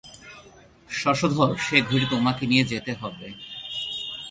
শশধর, সে ঘড়িটি তোমাকে নিয়ে যেতে হবে।